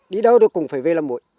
đi đâu được cũng phải về làm muối